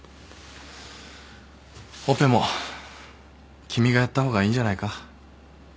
オペも君がやった方がいいんじゃないか？